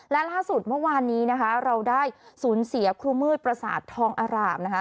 และล่าสุดเมื่อวานนี้นะคะเราได้สูญเสียครูมืดประสาททองอารามนะคะ